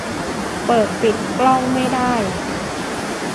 เปิด-ปิดกล้องไม่ได้